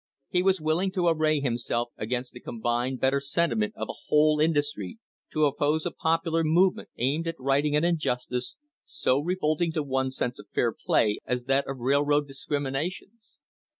He was willing to array himself against the com bined better sentiment of a whole industry, to oppose a popu lar movement aimed at righting an injustice, so revolting to one's sense of fair play as that of railroad discriminations.